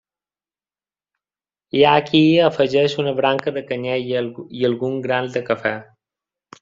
Hi ha qui afegeix una branca de canyella i alguns grans de cafè.